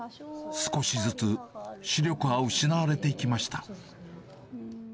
少しずつ、視力は失われていきました。